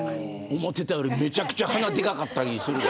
思ってたより、めちゃくちゃ鼻でかかったりするで。